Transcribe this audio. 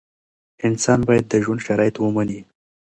انسان باید د ژوند شرایط ومني.